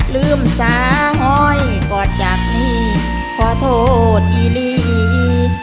ลืมสาหอยก่อนจากนี้ขอโทษอีลี